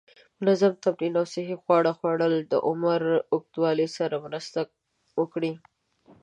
منظم تمرین او صحی خواړه کولی شي د عمر له اوږدوالي سره مرسته وکړي.